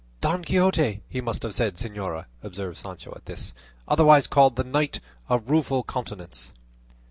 "'Don Quixote,' he must have said, señora," observed Sancho at this, "otherwise called the Knight of the Rueful Countenance."